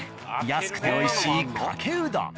安くて美味しいかけうどん。